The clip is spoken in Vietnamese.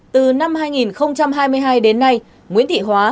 từ năm hai nghìn hai mươi hai đến nay nguyễn thị hóa